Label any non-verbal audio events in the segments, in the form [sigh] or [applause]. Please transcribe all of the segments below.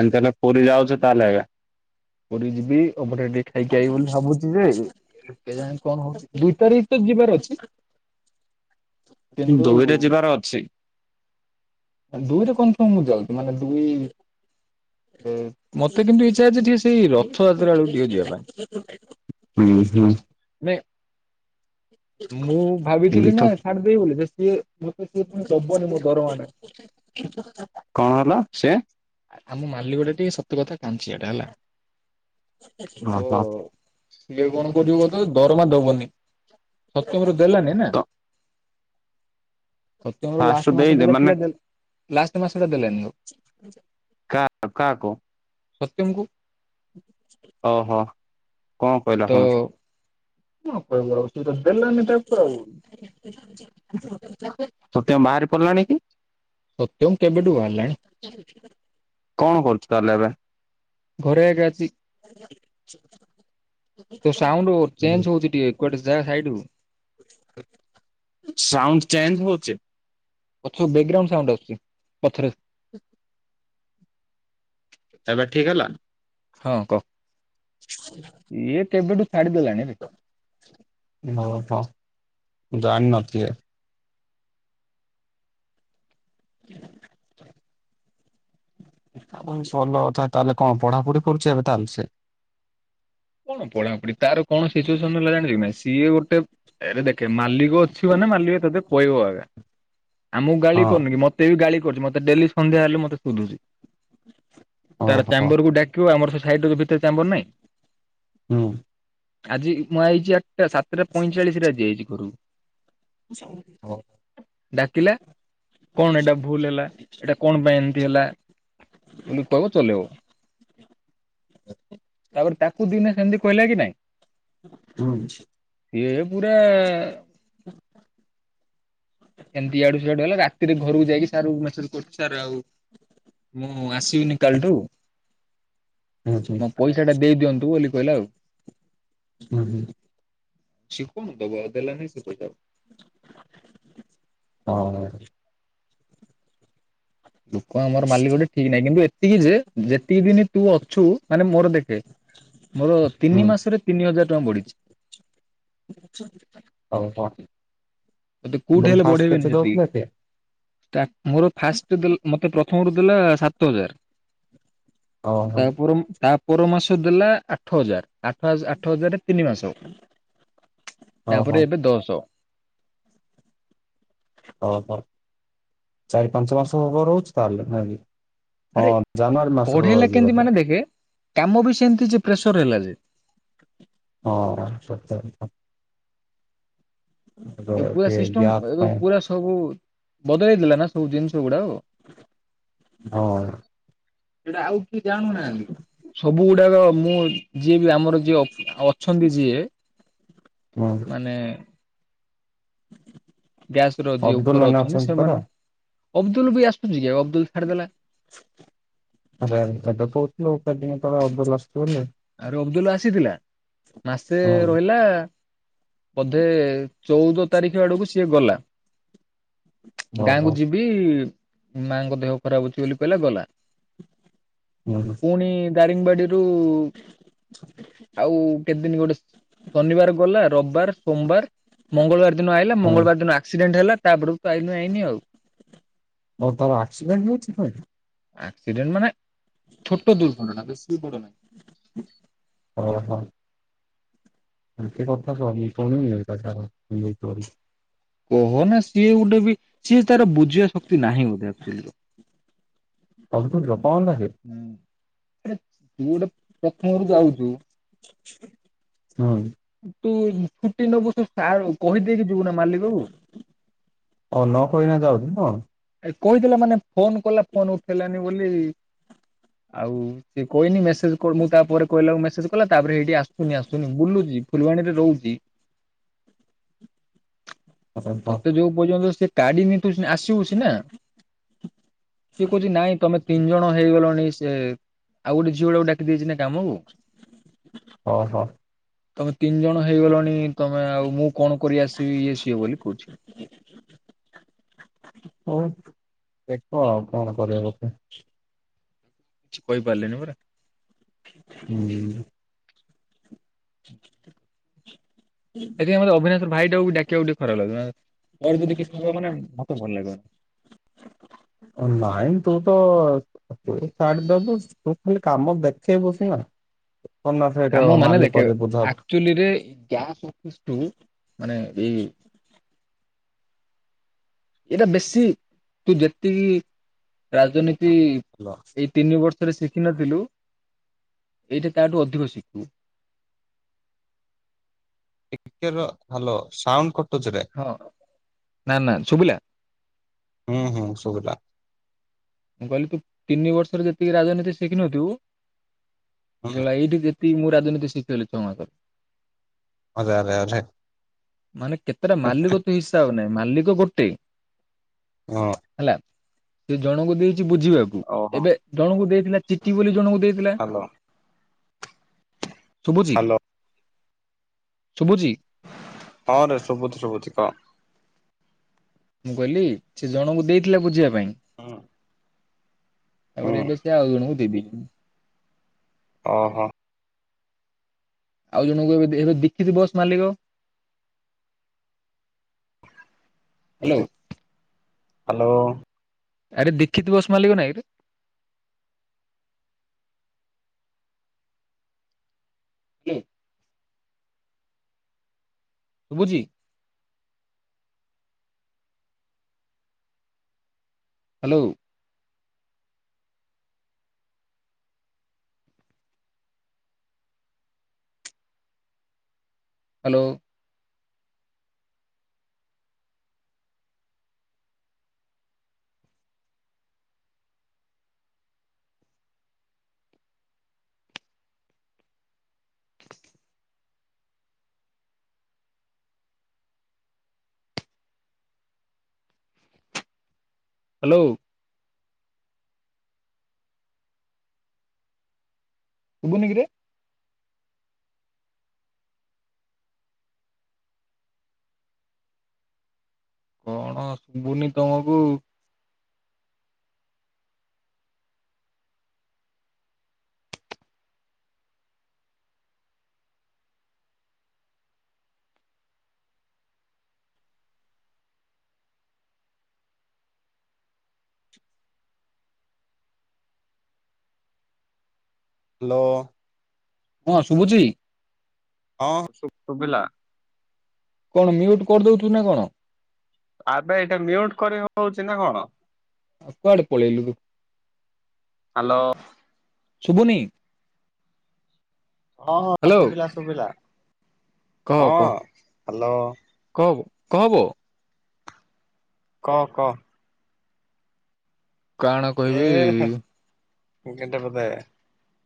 ଆମେ ତାହେଲେ ପୁରୀ ଯାଉଛୁ ତାହେଲେ ଏବେ। ପୁରୀ ଯିବି ଅଭଢ଼ା ଟିକେ ଖାଇକି ଆଇ ବୋଲି ଭାବୁଚି ଯେ ଏ କେଜାଣି କଣ ହଉଚି ଦୁଇ ତାରିକ୍ ତ ଯିବାର ଅଛି। କିନ୍ତୁ ପୁରୀରେ ଯିବାର ଅଛି। ଏ ଦୁଇରେ କନଫର୍ମ ମୁଁ ଯାଉଚି ମାନେ ଦୁଇ ଏ ମତେ କିନ୍ତୁ ଇଚ୍ଛା ଅଛି ଟିକେ ସେଇ ରଥଯାତ୍ରା ଅଳୁ ଟିକେ ଯିବା ପାଇଁ। ଉଁ ହୁଁ। ନାଇଁ ମୁଁ ଭାବିଥିଲି ଦେଖ ନାଁ ଥାଡ଼୍ ଦେଇ ବୋଲି ସେ ସିଏ ମତେ ସିଏ ପୁଣି ଦବନି ମୋ ଦରମାଟା। କଣ ହେଲା ସେ? ଆମ ମାଲିକଟା ଟିକେ ସତ କଥା କାଞ୍ଚିଆଟା ହେଲା। ଓହୋ ତ ସିଏ କଣ କରିବ ତ ଦରମା ଦବନି ସତ୍ୟମର ଦେଲାନି ନା। ତ ସତ୍ୟମର ଫାଷ୍ଟ ଲାଷ୍ଟ ମାସ ଦେଇଦେ ଯୋଉଟା ମାନେ ଥିଲା ଦେଲ୍ ଲାଷ୍ଟ ମାସଟା ଦେଲାନି ଆଉ। କା କାକୁ? ସତ୍ୟମକୁ। ଅହ। ତ ଦେଲାନି ତାକୁ ଆଉ। [inaudible] ସତ୍ୟମ ବାହାରି ପଡ଼ିଲାଣି କି? ସତ୍ୟମ କେବେଠୁ ବାହାରଲାଣି? କଣ କରୁଚି ତାହେଲେ ଏବେ? ଘରେ ଏକା ଅଛି। ତୋ ସାଉଣ୍ଡୁ ଚେଞ୍ଚ୍ ହଉଚି ଟିକେ କୁଆଡ଼େ ଯା ସାଇଡ଼ଉ। ସାଉଣ୍ଡ ଚେଞ୍ଜ୍ ହଉଚି। ପଛ ବେଗ୍ରାଉଣ୍ଡ୍ ସାଉଣ୍ଡ ଆସୁଚି ପଛରେ। [inaudible] ଏବେ ଠିକ୍ ହେଲା? ହଁ କ। [inaudible] ଇଏ କେବେଠୁ ଛାଡ଼ିଦେଲାଣିରେ। ହଁ ହ ଜାଣି ନଥିଲି ଏ। ହ [inaudible] ଆଉ ପୁଣି ସୋଲ ଅଥା ତାହେଲେ କଣ ପଢ଼ାପଢ଼ି କରୁଚି ଏବେ ତାହେଲେ ସିଏ? କଣ ପଢ଼ାପୁଢ଼ି ତାର କଣ ସିଚୁଏସନ୍ ହେଲା ଜାଣିଚୁ କି ନାହିଁ ସିଏ ଗୋଟେ ଏରେ ଦେଖେ ମାଲିକ ଅଛିି ମାନେ ମାଲିକ ତତେ କହିବ ଆଗା ଆମୁକୁ ଗାଳି ହଁ କରୁନି କି ମ ତେ ବି ଗାଳି କରୁଚି ମତେ ଡେଲି ସନ୍ଧ୍ୟା ହେଲେ ମତେ ଶୋଧୁଚି ତାର ଓହୋ ଚାମ୍ବରକୁ ଡା କିବ ଆମର ସେ ସାଇଟ୍ ରେ ଯୋଉ ଭିତରେ ଚାମ୍ବର ନାହିଁ? ହୁଁ। ଆଜି ମୁଁ ଆଇଚି ଆଟଟା ସାତଟା ପଇଁଚାଳିଶିରେ ଆଜି ଆଇଚି ଘରୁ। ହ ଡାକିଲା କଣ ଏଟା ଭୁଲ୍ ହେଲା ଏଟା କଣ ପାଇଁ ଏମିତି ହେଲା? ବୋଲି କହିବ ଚଲେଇବ ତାପରେ ତା ଇନା ସେମତି କହିଲା କି ନାଇଁ? ହୁଁ। ଇଏ ପୁରା [inaudible] ଏମତି ଇଆଡୁ ସିଆଡୁ ହେଲା ରାତିରେ ଘରୁକୁ ଯାଇକି ସାରୁ ମେସେଜେ କରୁଚି ସାର୍ ଆଉ ମୁଁ ଆସିବିନି କାଲଠୁ। ହୁଁ ହୁଁ ମୋ ପଇସାଟା ଦେଇ ଦିଅନ୍ତୁ ବୋଲି କହିଲା ଆଉ। ହୁଁ ହୁଁ। ସିଏ କଣ ଦବ ଆଉ ଦେଲାନେଇ ସେ ପଇସା ଆଉ। ହଁ। ଲୋକ ଆମର ମାଲିକଟେ ଠିକ୍ ନାହିଁ କିନ୍ତୁ ଏତିକି ଯେ ଯେତିକି ଦିନ ତୁ ଅଛୁ ମାନେ ମୋର ଦେଖେ ମୋର ତିନି ମାସରେ ତିନି ହଜାର ଟଙ୍କା ବଢ଼ିଛି। ହଉ ହ। ଅ ଦେ କୋଉଠି ହେଲେ ବଢ଼େଇବେନି ସେତିକି। ଟା ମୋର ଫାଷ୍ଟେ ଦେଲ୍ ମତେ ପ୍ରଥମରୁ ଦେଲା ସାତ ହଜାର। ଓହୋ। ତାପର ତା ପର ମାସ ଦେଲା ଆଠ ହଜାର ଆ ଥାସ୍ ଆଠ ହଜାରେ ତିନି ମାସ ଓହୋ ତାପରେ ଏବେ ଦଶ। ଅହ ଚାରି ପାଞ୍ଚ ମାସ ହବ ରହୁଚି ତାହେଲେ ନାଇଁ କି? ହଁ ଆରେ ଜାନୁଆରୀ ମାସର ପଢେଇଲା ରହିଲି କେମିତି ବୋଧେ। ମାନେ ଦେଖେ କାମ ବି ସେନ୍ତି ଯେ ପ୍ରେସର ହେଲା ଯେ। ହଁ ସତ କଥା। ଏ ପୁରା ଟିକେ ଗ୍ୟାସ୍ ସିଷ୍ଟମ୍ ଏବେ ପାଇଁ ପୁରା ସବୁ ବଦଳେଇ ଦେଲା ନାଁ ସବୁ ଜିନିଷ ଗୁଡ଼ାଅ। ହଁ। ସବୁ ଗୁଡ଼ାକ ମୁଁ ଯିଏ ବି ଆମର ଯିଏ ଅ ଅଛନ୍ତି ଯିଏ ହୁଁ ମାନେ ଗ୍ୟାସ୍ ର ଯିଏ ଅବଦୁଲ ଉପର ମାନେ ଅଛନ୍ତି ପରା? ସେମାନୁ ଅବଦୁଲ ବି ଆସୁନି ଯେ ଅବଦୁଲ ଛାଡ଼ିଦେଲା। ଏବେ ଏବେ କୋହୁଥୁଲୁ ଚାର ଦିନି ତଳେ ଅବଦୁଲ୍ ଆସୁଚି ବୋଲି। ଆରେ ଅବଦୁଲ୍ ଆସିଥିଲା ମାସେ ହୁଁ ରହିଲା। ବଧେ ଚଉଦ ତାରିଖ ଆଡ଼ୁକୁ ସିଏ ଗଲା ଗାଁକୁ ଓହୋ ଯି ବି ମାଙ୍କ ଦେହ ଖରାପ ଅଛି ବୋଲି କହିଲା ଗଲା। ଉଁ ହୁଁ। ପୁଣି ଦାରିଙ୍ଗବାଡି଼ରୁ ଆଉ କେତ୍ ଦିନ ଗୋଟେ ଶନିବାର ଗଲା ରବାର ସୋମବାର ମଙ୍ଗଳବାର ଦିନ ଆଇଲା ହୁଁ ମଙ୍ଗଳବାର ଦିନ ଆକ୍ସିଡେଣ୍ଟ ହେଲା ତାପରୁ ପାଇନୁ ଆଇନି ଆଉ। ଓ ତମ ଆକ୍ସିଡେଣ୍ଟ୍ ହୋଉଚି ଫେଣ? ଆକ୍ସିଡେଣ୍ଟ ମାନେ ଛୋଟ ଦୁର୍ଘଟଣା ବେଶି ବଡ଼ ନାହିଁ। ଓହ। ବେଶି କଥା କହନି ପୁଣି ଇଏଟା ତାର ହେଲେ ଚୋରି କହ ନା ସିଏ ଗୋଟେ ବି ସିଏ ତାର ବୁଝିବା ଶକ୍ତି ନାହିଁ ବୋଧେ ଆକ୍ଚୁଲିର। ସବୁ ତ ଦିଅ କଁ ହେଲା ସିଏ? ଉଁ ଏରେ ତୁ ଗୋଟେ ପ୍ରଥମରୁ ଯାଉଚୁ ହଁ। ତୁ ଛୁଟି ନବୁ ସେ ସାରଉ କହିଦେଇକି ଯିବୁ ନା ମାଲିକକୁୁ। ଆଉ ନକହି ଇନା ଯାଉଚି ତ। ଏ କହିଦେଲା ମାନେ ଫୋନ୍ କଲା ଫୋନ୍ ଉଠେଲାନି। ବୋଲି ଆଉ ସେ କହିନି ମେସେଜ କରୁନୁ ତାପରେ କହିଲାକୁ ମେସେଜ୍ କଲା ତାପରେ ହେଇଟି ଆସୁନି ଆସୁନି ବୁଲୁଚି ଫୁଲବାଣୀରେ ରହୁଚି। ତତେ ଯୋଉ ପର୍ଯ୍ୟନ୍ତ ସେ କାଢ଼ିନି ତୁ କି ନା। ସିଏ କୋହୁଚି ନାଇଁ ତମେ ତିନି ଜଣ ହେଇଗଲଣି ସେ ଆଉ ଗୋଟେ ଝିଅଟାକୁ ଡାକି ଦେଇଚି ନା। କାମକୁ ଅହ। ତମେ ତିନି ଜଣ ହେଇଗଲଣି ତମେ ଆଉ ମୁଁ କଣ କରି ଆସିବି ଇଏ ସିଏ ବୋଲି କହୁଚି। ହଉ ଦେଖ କଣ କରିବା କଥା। କହି ପାରିଲେନି ପରା। ଉଁ ସେଥିପାଇଁ ମୋତେ ଅବିନାଶର ଭାଇଟାକୁ ବି ଡାକିବାକୁ ଟିକେ ଖରାପ ଲାଗଁ ପରେ ଯଦି କିଛି ହବ ମାନେ ମତ ଭଲ ଲାଗିବ ଅ ନାଇଁ ତୁ ତ ତୁ ଛାଡ଼ି ଦବୁ ତୁ ଖାଲି କାମ ଦେଖେଇବୁ ସନା କଣ ନା ସେଇଠୁ ମାଲିକ ଯେ ବୁଝ। ଚୁଲିରେ ଗ୍ୟାସ୍ ଅଫିସ ଠୁ ମାନେ ଏଇ ଏଇଟା ବେଶୀ ତୁ ଯେତିକି ରାଜନୀତି ଅଲ ଏଇ ତିନି ବର୍ଷରେ ଶିଖିନଥିଲୁ ଏଇଠେ ତାଠୁ ଅଧିକ ଶିଖିବୁ। ଟିକେ ରହ ହାଲୋ ସାଉଣ୍ଡ କ ହଁ ନାଁ ନାଁ ଶୁବିଲା? ହୁଁ ହୁଁ ଶୁଭିଲ। ମୁଁ କହିଲି ତୁ ତିନି ବର୍ଷରେ ଯେତିକି ରାଜନୀତି ଶିଖିନଥିବୁ ଏ ଭାଇ ଏଇଠି ଯେ ତି ମୁଁ ରାଜନୀତି ଶିଖିଅଲି ଛଅ ମାସ। ଆରେ ଆରେ ଆରେ ମାନେ କେତେଟା ମାଲିକ ତେଇସ୍ ତା ଆଉ ନାହିଁ ମାଲିକ ଗୋଟେ। ହଁ। ହେଲା ସେ ଜଣଙ୍କୁ ଦେଇଚି ବୁଝିବା କୁ ଓହୋ ଏବେ ଜଣଙ୍କୁ ଦେଇଥିଲା ଚିକି ବୋଲି ଜଣଙ୍କୁ ଦେଇଥିଲା। ହାଲୋ ଶୁବୁଚି ହାଲୋ ଶୁବୁଚି? ହଁରେ ଶୁବୁଚି ଶୁବୁଚି କହ। ମୁଁ କହିଲି ସେ ଜଣଙ୍କୁ ଦେଇଥିଲା ବୁଝିବା ପାଇଁ। ହଁ। ତାପରେ ଏବେ ସେ ଆଉ ଜଣଙ୍କୁ ଦେବି। ଅହ। ଆଉ ଜଣଙ୍କୁ ଏବେ ଦେଇଦେ ଦିକିରି ବସ୍ ମାଲିକ। ହ୍ୟାଲୋ ଏତେ ହାଲୋ। ଆରେ ଦୀକ୍ଷିତ ବସ୍ ମାଲିକ ନାଇଁରେ। କି? ଶୁବୁଚି? ହାଲୋ। ହାଲୋ। ହାଲୋ। ଶୁବୁନି କିରେ? କଣ ଶୁବୁନି ତମକୁ। ଲୋ ହଁ ଶୁଭୁଚି? ହଁ ଶୁ ଶୁବିଲା। କଣ ମ୍ୟୁଟ୍ କରିଦଉଥୁ ନା କଣ? ଆବେ ଏଇଟା ମ୍ୟୁଟ କରି ହଉଚି ନା କଣ? ଅ କୁଆଡ଼େ ପଳେଇଲୁୁ? ହାଲୋ। ଶୁବୁନି? ହଁ ହଁ ଶୁଭିଲା ଶୁଭିଲା ହଁ ହ୍ୟାଲୋ କହବ କହବ କ କ କାଣ କହିବି ଏ କେଟା [unintelligible]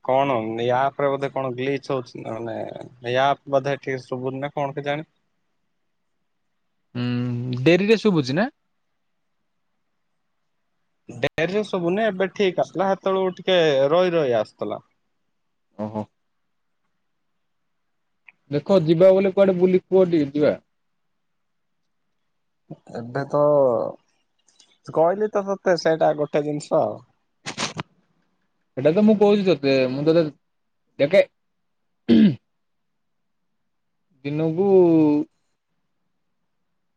କଣ ଏ ଆପ ରେ ବୋଧେ କଣ ଗ୍ଲିଚ ହଉଛିାନେ ୟା ବଧେ ଶୁଭୁ ନା କଣ କି ଜାଣି? ହୁଁ ଡେରିରେ ଶୁଭୁଛି ନା? ଡେରିରେ ସବୁନି ଏବେ ଠିକ ଆସିଲଥିଲା ସେତେବେଳକୁ ଟିକେ ରହି ରହି ଆସୁଥିଲା। ଓହୋ ଦେଖ ଯିବା ବୋଲିଲେ କୁଆଡେ ବୁଲି କୁହଠେ ଯିବା। ଏବେ ତ କହିଲି ତ ତତେ ସେଇଟା ଗୋଟେ ଜିନିଷ ଆଉ। ସେଇଟା ତ ମୁଁ କହୁଛି ତୋତେ ମୁଁ ତତେ [unintelligible] ଦିନକୁୁ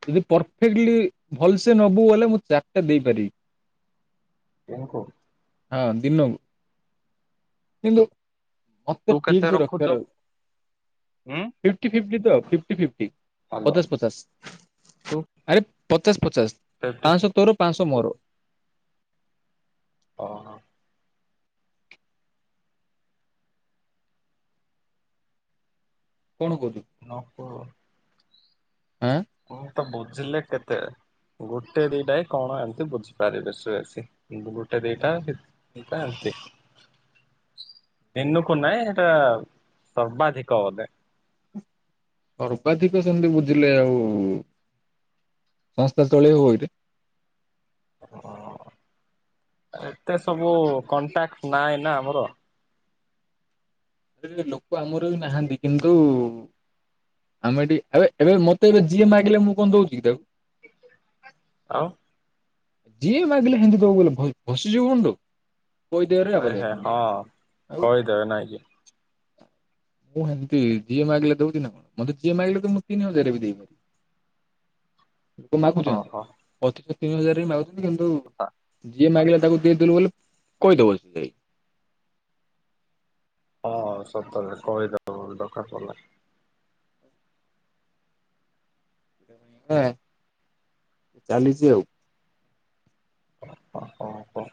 ଯଦି ପରଫେକ୍ଟଲି ଭଲସ ନବୁ ହେଲେ ମୁଁ ଚାରଟଟା ଦେଇପାରିବି। [unintelligible] ହଁ ଦିନକୁ। କିନ୍ତୁ ତୁ ମତେ କେତେ ଠିକ ସେ ରକ୍ଷିବ ରଖୁଛୁ ରଛି। ଉଁ? ଫିଫ ଫିଫଟି ତ ଫିଫଟି ଫିଫଟି ହ୍ୟାଲୋ। ପଚାଶ ପଚାଶ। ତୁ ଆରେ ପଚାଶ ପଚାଶ କେତେ ପାଞ୍ଚଶହ ତୋର ପାଞ୍ଚଶହ ମୋର। ଓହ କଣ କହୁଛୁ? ନ କହ। ଆଁ। ମୁଁ ତ ବୁଝିଲେ କେତେ? ଗୋଟେ ଦିଟା କଣ ଏମିତି ବୁଝିପାରିବେ ସୁସି ଗୋଟେ ଦିଟା [unintelligible] କ ଏନ୍ତି। ଦିନୁକୁ ନାହିଁ, ସେଇଟା ସର୍ବାଧିକ ବଧେ? ସର୍ବାଧିକ ସେମିତି ବୁଝିଲେ ଆଉ, ସଂସ୍ଥା ଚଳେଇ ହବ ଏଇଠ। ଓ ଏତେ ସବୁ କଣ୍ଟାକ୍ଟ ନାହିଁ ନା ଆମର। ଲୋକ ଆମର ବି ନାହାନ୍ତି କିନ୍ତୁ ଆମେ ଏଠି ଏ ଏବେ, ମତେ ଏବେ ଯିଏ ମାଗିଲେ ମୁଁ କଣ ଦଉଛି କି ତାକୁ। ଆଉ। ଯିଏ ମାଗିଲେ ହିନ୍ଦୀ ଦବକୁ ଗଲେ ଭସିଯିବ କୁନ୍ତୁ। କୋଇ ଦେହରେ [unintelligible] ଆରେ ହେ ହଁ କହିଦେବେ ନାଇଁ କି [unintelligible] ମୁଁ ଏମିତି ଜିଏ ମାଗିଲ ଦେ ଦଉଛି ନା କଣ ମତେ, ଜିଏ ମାଗିଲେ ତ ମୁ ତିନି ହଜାର ବି ଦେଇପାରି। ଲୋକ ହଁ ମାଗୁଛନ୍ତି, ହଁ ଅଚଶ ତିନି ହଜାର ମାଗୁଛନ୍ତି। କିନ୍ତୁ କଥା ଯିଏ ମାଗିଲେ ତାକୁ ଦେଇଦେଲୁ ବୋଲି କହିଦବ ସେ। ହଁ ସତରେ କହିଦେବ ଦକାର ପଡ଼ିଲେ। ହଁ ଚାଲିଛି ଆଉ। ଓ ହୋ ହୋ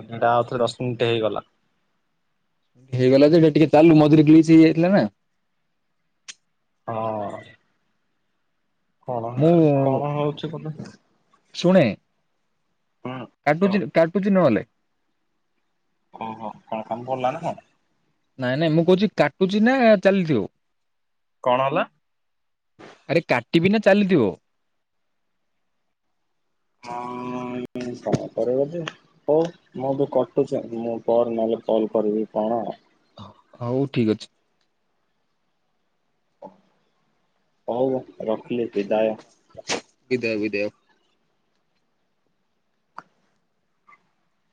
ଏଟା ଆଉ ଥରେ ଦଶ ମିନିଟ୍ ହେଇଗଲା। ହେଇଗଲା ଯେଟା ଟିକେ ଚାଲୁ ମଝୁରରେ ଗିଲି ହେଇଯାଇଥିଲା ନା। ହଁ। କଣ ମୁଁ କଣ ହଉଛି କି ଶୁଣେ। ହୁଁ କାଟୁଛି କାଟୁଛି ନହେଲେ? ଓହୋ କଳ କ ବିଲ ନା କଣ? ନାଇଁ ନାଇଁ ମୁଁ କହୁଚି କାଟୁଚି ନା ଚାଲିଥିବ। କଣ ହେଲା? ଆରେ କାଟିବି ନା ଚାଲିଥିବ। ହଁ କଣ କର ବଧେ? ହଉ ମୁଁ ବି କଟୁଚି ମୁଁ ପରେ ନହେଲେ କଲ କରିବି କଣ? ହଉ ଠିକ ଅଛି। ହଉ ରଖିଲି ବିଦାୟ। ଅ ବିଦାୟ ବିଦାୟ।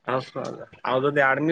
ହଉ ତାହାଲେ ଆଉ ଯଦି ଆଡମିସ